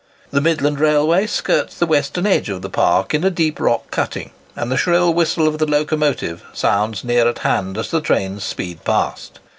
The Midland Railway skirts the western edge of the park in a deep rock cutting, and the shrill whistle of the locomotive sounds near at hand as the trains speed past.